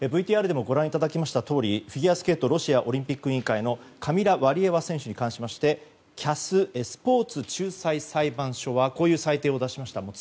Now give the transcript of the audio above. ＶＴＲでもご覧いただきましたとおりフィギュアスケートロシアオリンピック委員会のカミラ・ワリエワ選手に関しましてＣＡＳ・スポーツ仲裁裁判所はこういう裁定を出しました。